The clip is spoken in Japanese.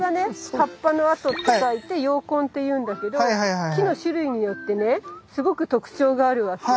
葉っぱの痕って書いて葉痕っていうんだけど木の種類によってねすごく特徴があるわけ。